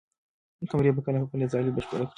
قمري به کله خپله ځالۍ بشپړه کړي؟